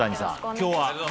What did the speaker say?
今日は。